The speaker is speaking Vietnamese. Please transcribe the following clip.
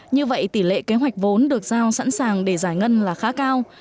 như vậy tỷ lệ kế hoạch vốn được giao sẵn sàng để giải ngân là khá cao